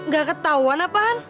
gak ketauan apa